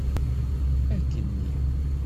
Akkenni!